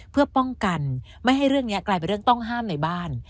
เพื่อป้องกันไม่ให้เรื่องนี้กลายเป็นเรื่องต้องห้ามในบ้าน